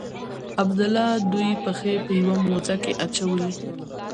عبدالله دوې پښې په یوه موزه کې اچولي.